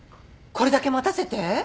これだけ待たせて？